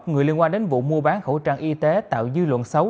người liên quan đến vụ mua bán khẩu trang y tế tạo dư luận xấu